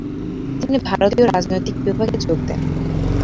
তিনি ভারতীয় রাজনৈতিক বিভাগে যোগ দেন।